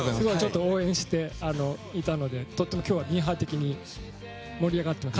応援していたのでとっても今日はミーハー的に盛り上がっていて。